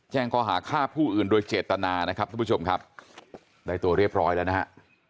ข้อหาฆ่าผู้อื่นโดยเจตนานะครับทุกผู้ชมครับได้ตัวเรียบร้อยแล้วนะฮะ